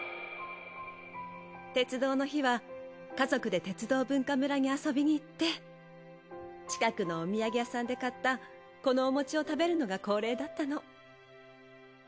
鉄道の日は家族で鉄道文化むらに遊びに行って近くのお土産屋さんで買ったこのおもちを食べるのが恒例だったの。